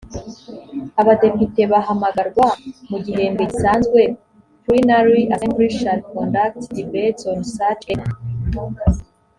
abadepite bahamagarwa mu gihembwe gisanzwe plenary assembly shall conduct debates on such a